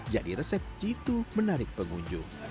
jadi resep citu menarik pengunjung